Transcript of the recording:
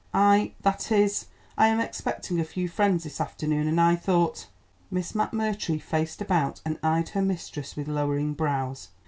"I that is, I am expecting a few friends this afternoon, and I thought " Miss McMurtry faced about and eyed her mistress with lowering brows.